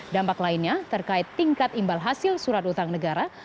dampak lainnya terkait tingkat imbal hasil surat utang negara